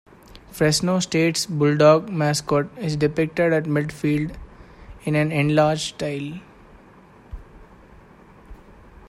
Fresno State's Bulldog mascot is depicted at midfield in an enlarged style.